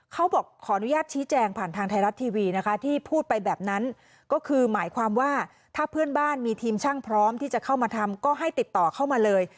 ขออนุญาตชี้แจงผ่านทางไทยรัฐทีวีนะคะที่พูดไปแบบนั้นก็คือหมายความว่าถ้าเพื่อนบ้านมีทีมช่างพร้อมที่จะเข้ามาทำก็ให้ติดต่อเข้ามาเลย